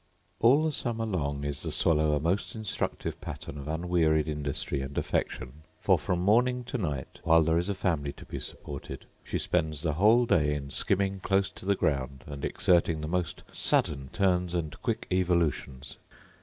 All the summer long is the swallow a most instructive pattern of unwearied industry and affection; for, from morning to night, while there is a family to be supported, she spends the whole day in skimming close to the ground, and exerting the most sudden turns and quick evolutions.